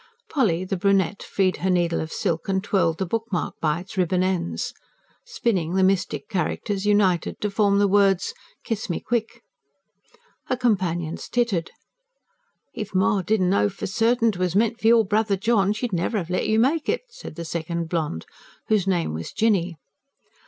Polly, the brunette, freed her needle of silk and twirled the bookmark by its ribbon ends. Spinning, the mystic characters united to form the words: "Kiss me quick." Her companions tittered. "If ma didn't know for certain 'twas meant for your brother John, she'd never 'ave let you make it," said the second blonde, whose name was Jinny.